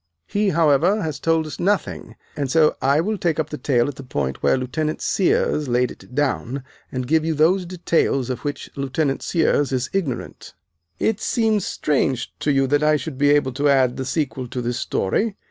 He, however, has told us nothing, and so I will take up the tale at the point where Lieutenant Sears laid it down and give you those details of which Lieutenant Sears is ignorant. It seems strange to you that I should be able to add the sequel to this story.